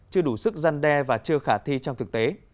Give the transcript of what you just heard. chưa đủ sức gian đe và chưa khả thi trong thực tế